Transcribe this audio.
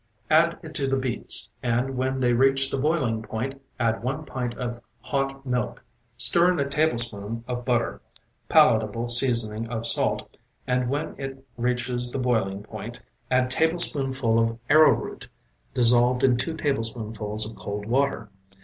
Add it to the beets, and when they reach the boiling point add one pint of hot milk; stir in a tablespoonful of butter, palatable seasoning of salt, and when it reaches the boiling point, add tablespoonful of arrow root dissolved in two tablespoonfuls of cold water.